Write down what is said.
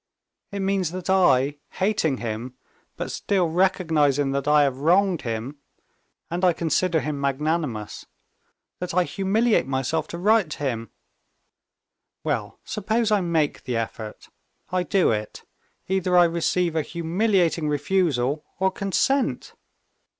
"It means that I, hating him, but still recognizing that I have wronged him—and I consider him magnanimous—that I humiliate myself to write to him.... Well, suppose I make the effort; I do it. Either I receive a humiliating refusal or consent....